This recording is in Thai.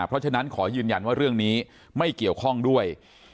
เพราะฉะนั้นขอยืนยันว่าเรื่องนี้ไม่เกี่ยวข้องด้วย